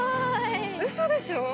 ウソでしょ？